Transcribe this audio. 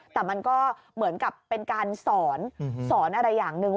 แต่มันก็เหมือนกับเป็นการสอนสอนอะไรอย่างหนึ่ง